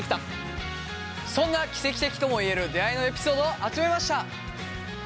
そんな奇跡的ともいえる出会いのエピソードを集めました。